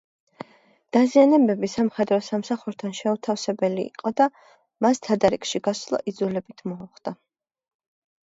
დაზიანებები სამხედრო სამსახურთან შეუთავსებელი იყო და მას თადარიგში გასვლა იძულებით მოუხდა.